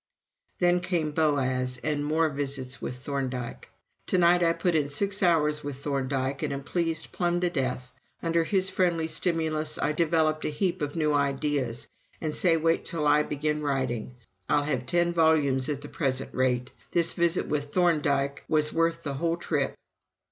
Then came Boas, and more visits with Thorndike. "To night I put in six hours with Thorndike, and am pleased plum to death. ... Under his friendly stimulus I developed a heap of new ideas; and say, wait till I begin writing! I'll have ten volumes at the present rate. ... This visit with Thorndike was worth the whole trip."